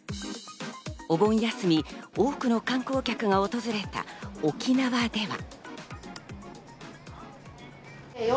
お盆休み、多くの観光客が訪れた沖縄では。